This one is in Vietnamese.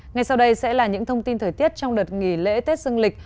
ngay sau đây sẽ là những thông tin thời tiết trong đợt nghỉ lễ tết dương lịch